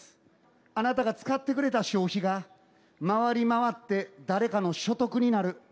あなたが使ってくれた消費が、回り回って誰かの所得になる。